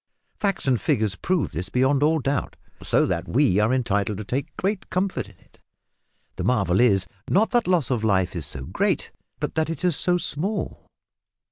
Facts and figures prove this beyond all doubt, so that we are entitled to take the comfort of it. The marvel is, not that loss of life is so great, but that it is so small.